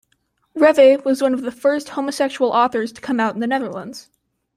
Reve was one of the first homosexual authors to come out in the Netherlands.